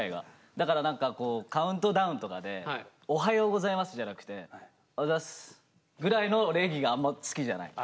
だから何かカウントダウンとかで「おはようございます」じゃなくて「おはざす」ぐらいの礼儀があんま好きじゃない。